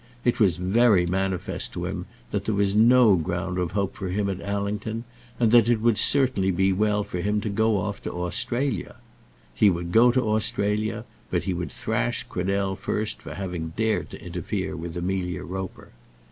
It was very manifest to him that there was no ground of hope for him at Allington, and it would certainly be well for him to go off to Australia. He would go to Australia, but he would thrash Cradell first for having dared to interfere with Amelia Roper.